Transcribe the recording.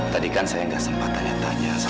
tadi kan saya tidak sempat tanya tanya sama kamu